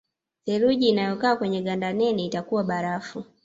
Theluji inayokaa kwenye ganda nene itakuwa barafu